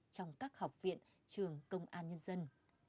trong các học viện trường công an nhân dân